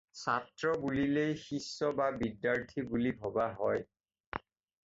ছাত্র বুলিলেই শিষ্য বা বিদ্যার্থী বুলি ভবা হয়।